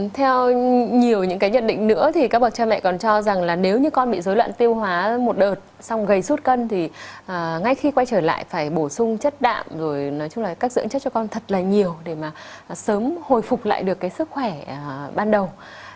theo nhiều những cái nhận định nữa thì các bậc cha mẹ còn cho rằng là nếu như con bị dối loạn tiêu hóa một đợt xong gây suốt cân thì ngay khi quay trở lại phải bổ sung chất đạm rồi nói chung là cách dưỡng chất cho con thật là nhiều để mà sớm hồi phục lại được cái sức khỏe ban đầu